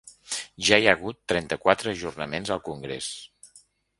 Ja hi ha hagut trenta-quatre ajornaments al congrés.